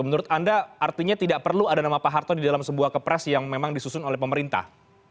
menurut anda artinya tidak perlu ada nama pak harto di dalam sebuah kepres yang memang disusun oleh pemerintah